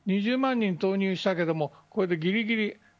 ２０万人投入したけどもぎりぎり。